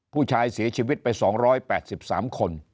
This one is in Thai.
ผู้ชายเสียชีวิตไป๒๘๓คน